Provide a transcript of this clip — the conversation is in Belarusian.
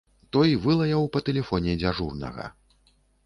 Той вылаяў па тэлефоне дзяжурнага.